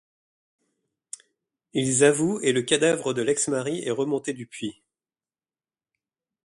Ils avouent et le cadavre de l'ex-mari est remonté du puits.